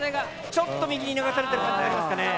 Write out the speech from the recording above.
ちょっと右に流されてる感じありますかね。